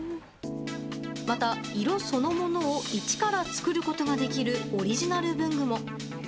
また、色そのものを一から作ることができるオリジナル文具も。